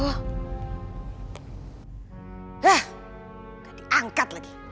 hah gak diangkat lagi